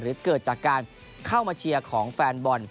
เกิดจากการเข้ามาเชียร์ของแฟนบอล